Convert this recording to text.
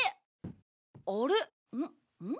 あれん？